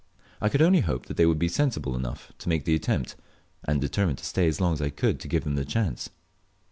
I could only hope they would be sensible enough to make the attempt, and determined to stay as long as I could to give them the chance.